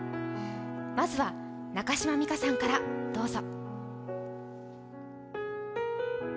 まずは中島美嘉さんから、どうぞ。